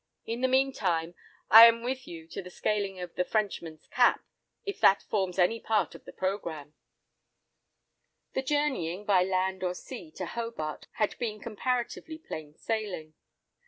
In the meantime, I am with you to the scaling of the 'Frenchman's Cap,' if that forms any part of the programme." The journeying by land or sea to Hobart had been comparatively plain sailing.